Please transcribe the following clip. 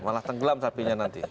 malah tenggelam sapinya nanti